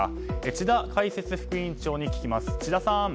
智田解説副委員長に聞きます。